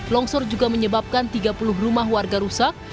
longsor juga menyebabkan tiga puluh rumah warga rusak